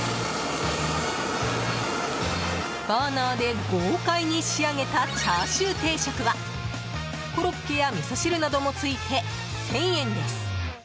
バーナーで豪快に仕上げたチャーシュー定食はコロッケやみそ汁などもついて１０００円です。